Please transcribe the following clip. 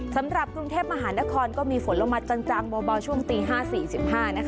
สำหรับกรุงเทพมหานครก็มีฝนลงมาจังเบาช่วงตี๕๔๕นะคะ